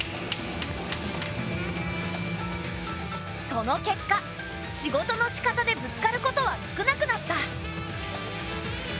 その結果仕事のしかたでぶつかることは少なくなった。